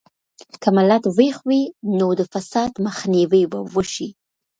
که ملت ویښ وي، نو د فساد مخنیوی به وشي.